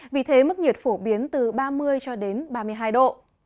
vì thế mức nhiệt phổ biến từ ba mươi cho đến ba mươi hai độ